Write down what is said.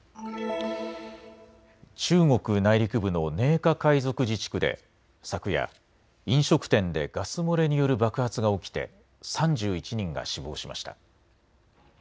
中国内陸部の寧夏回族自治区で昨夜、飲食店でガス漏れによる爆発が起きて３１人が死亡しました。